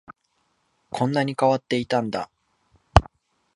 こんなに変わっていたんだ